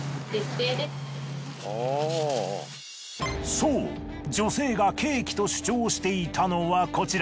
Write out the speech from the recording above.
そう女性がケーキと主張していたのはこちら。